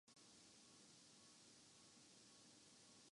پھر جو سال آئے ہم نے ضائع کر ڈالے۔